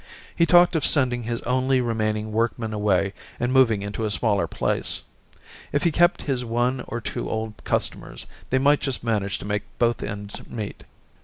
He talked of sending his only remaining work man away and moving into a smaller place. If he kept his one or two old customers, they might just manage to make both end meet.